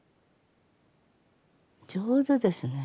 上手ですね。